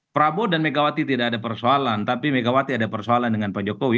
prabowo dan megawati tidak ada persoalan tapi megawati ada persoalan dengan pak jokowi